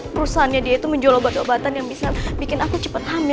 perusahaannya dia itu menjual obat obatan yang bisa bikin aku cepat hamil